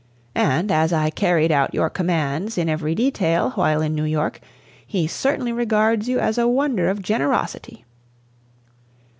And as I carried out your commands in every detail, while in New York, he certainly regards you as a wonder of generosity."